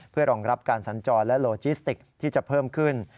เพื่อรองรับการสัญจรและโลจิสติกที่จะเพิ่มขึ้น